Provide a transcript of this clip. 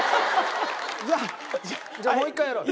じゃあもう一回やろう。